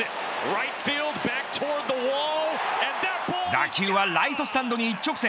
打球はライトスタンドに一直線。